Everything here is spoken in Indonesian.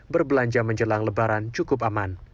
berbelanja menjelang lebaran cukup aman